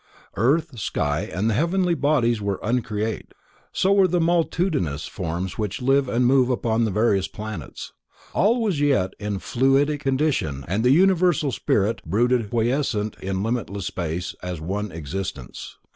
Earth, sky and the heavenly bodies were uncreate, so were the multitudinous forms which live and move upon the various planets.—All, all, was yet in a fluidic condition and the Universal Spirit brooded quiescent in limitless Space as the One Existence.